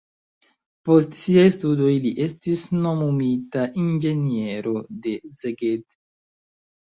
Post siaj studoj li estis nomumita inĝeniero de Szeged.